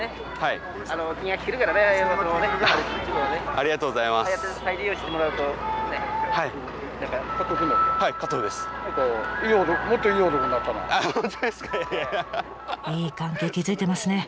いい関係築いてますね。